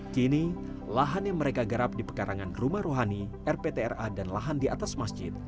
kini lahan yang mereka garap di pekarangan rumah rohani rptra dan lahan di atas masjid